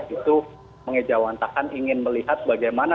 itu mengejawantakan ingin melihat bagaimana